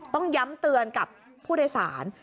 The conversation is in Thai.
ต้องย้ำเตือนกับผู้โดยสาร